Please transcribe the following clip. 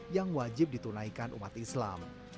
yang wajib ditunaikan umat islam